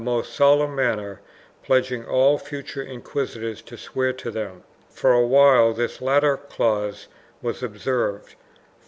IV] CATALONIA 467 solemn manner, pledging all future inquisitors to swear to them. For a while this latter clause was observed.